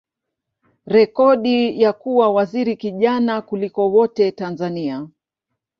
rekodi ya kuwa waziri kijana kuliko wote Tanzania.